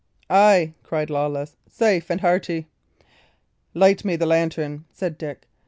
"Ay," cried Lawless, "safe and hearty." "Light me the lantern," said Dick.